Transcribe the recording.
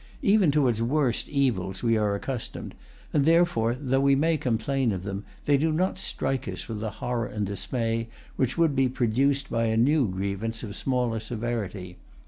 Even to its worst evils we are accustomed; and therefore, though we may complain of them, they do not strike us with the horror and dismay which would be produced by a new grievance of smaller severity.